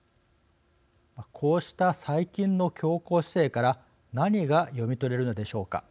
こうした最近の強硬姿勢から何が読み取れるのでしょうか。